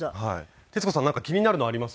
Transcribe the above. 徹子さんなんか気になるのあります？